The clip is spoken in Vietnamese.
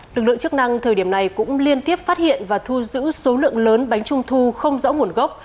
lực lượng chức năng thời điểm này cũng liên tiếp phát hiện và thu giữ số lượng lớn bánh trung thu không rõ nguồn gốc